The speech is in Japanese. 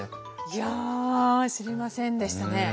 いや知りませんでしたね。